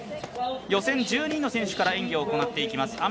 予選１２位の選手から演技を行っていきます。